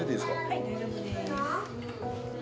はい大丈夫です。